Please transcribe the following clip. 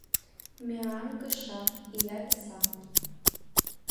Мераҥ кыша — ия виса.